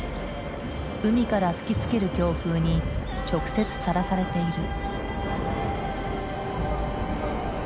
海から吹きつける強風に直接さらされている。